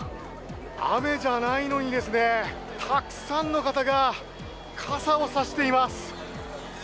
雨じゃないのにですね、たくさんの方が傘を差しています。